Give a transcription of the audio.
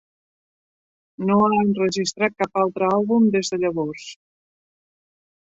No ha enregistrat cap altre àlbum des de llavors.